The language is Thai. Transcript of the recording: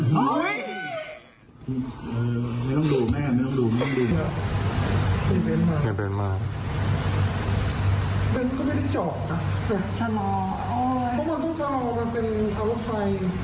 นี่ไงเป็นรอยหรือเปล่า